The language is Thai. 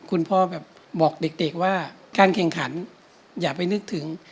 คุณพ่อแบบบอกเด็กว่าการแข่งขันอย่าไปนึกถึง